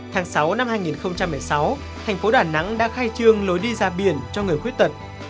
tháng sáu năm hai nghìn một mươi sáu thành phố đà nẵng đã khai trương lối đi ra biển cho người khuyết tật